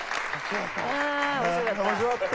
ああ面白かった。